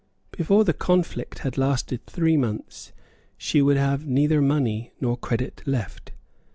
Before the conflict had lasted three months, she would have neither money nor credit left.